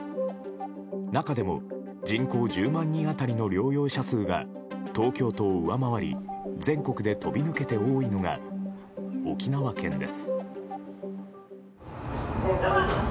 中でも人口１０万人当たりの療養者数が東京都を上回り全国で飛び抜けて多いのが沖縄県です。